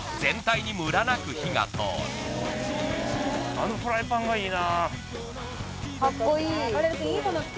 あのフライパンがいいな。